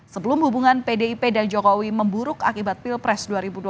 sebelum hubungan pdip dan jokowi memburuk akibat pilpres dua ribu dua puluh